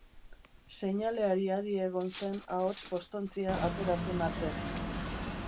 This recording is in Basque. Seinaleari adi egon zen ahots-postontzia atera zen arte.